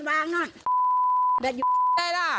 แบ๊คยังใช่ละ